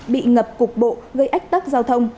bị ngập cục bộ gây ách tắc giao thông